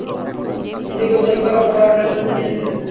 নিজেকে উৎসর্গ করার বড় একটা সিদ্ধান্ত নিয়েছিলে।